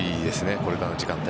これからの時間帯。